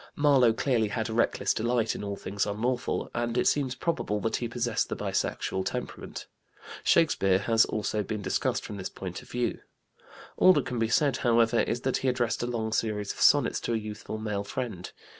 Marlowe clearly had a reckless delight in all things unlawful, and it seems probable that he possessed the bisexual temperament. Shakespeare has also been discussed from this point of view. All that can be said, however, is that he addressed a long series of sonnets to a youthful male friend.